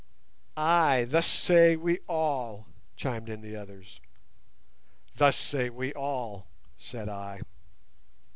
"Ay, thus say we all," chimed in the others. "Thus say we all," said I.